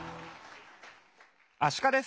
アシカです。